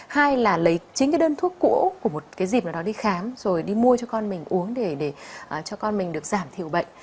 hai là lấy chính cái đơn thuốc cũ của một cái dịp nào đó đi khám rồi đi mua cho con mình uống để cho con mình được giảm thiểu bệnh